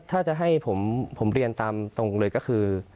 ถ้าจะให้ผมเรียนตามตรงเลยก็คือ